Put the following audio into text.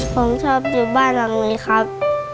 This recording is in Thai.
ผมชอบอยู่บ้านหลังนี้ครับ